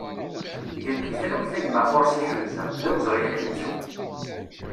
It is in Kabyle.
Gen di talwit a gma Xorsi Ḥemza, d awezɣi ad k-nettu!